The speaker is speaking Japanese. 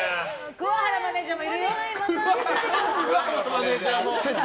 桑原マネジャーもいるよ。